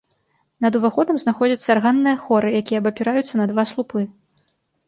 Над уваходам знаходзяцца арганныя хоры, якія абапіраюцца на два слупы.